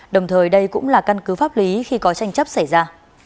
đồng thời đây cũng là căn cứ pháp lý khi có tranh chấp xảy ra